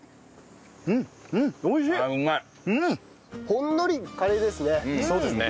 ほんのりカレーですね。